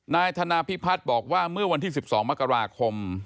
นายธนาพิพัฒน์บอกว่าเมื่อวันที่๑๒มกราคม